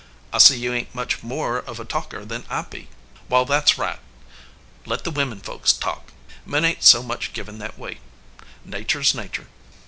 "I see you ain t much more of a talker than I be," he said. "Wall, that s right. Let the wimmen folks talk. Men ain t so much given that way. Natur is natur ."